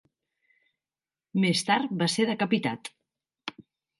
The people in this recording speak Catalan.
Més tard va ser decapitat.